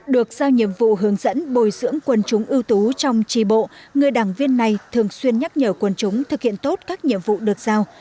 được giao nhiệm vụ hướng dẫn bồi dưỡng quân chúng ưu tú trong trì bộ người đảng viên này thường xuyên nhắc nhở quân chúng thực hiện tốt các nhiệm vụ được giao